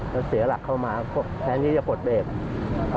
แล้วเสียหลักเข้ามาแทนที่จะปลดเบรก